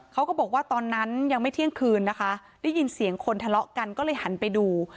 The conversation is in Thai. เขาก็บอกว่าตอนนั้นยังไม่เที่ยงคืนนะคะได้ยินเสียงคนทะเลาะกันก็เลยหันไปดู